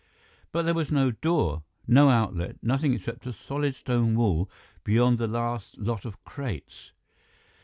But there was no door, no outlet, nothing except a solid stone wall beyond the last lot of crates.